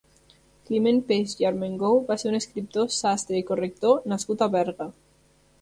Climent Peix i Armengou va ser un escriptor, sastre i corrector nascut a Berga.